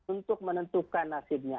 untuk menentukan nasibnya